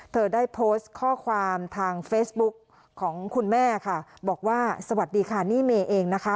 เธอได้โพสต์ข้อความทางเฟซบุ๊กของคุณแม่ค่ะบอกว่าสวัสดีค่ะนี่เมย์เองนะคะ